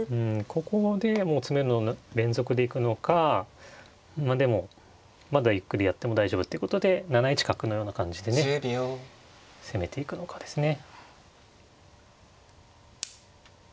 ここでもう詰めろの連続で行くのかまあでもまだゆっくりやっても大丈夫ってことで７一角のような感じでね攻めていくのかですね。